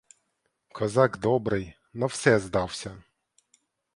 Козак добрий, на все здався.